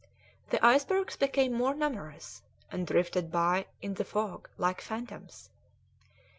The icebergs became more numerous, and drifted by in the fog like phantoms.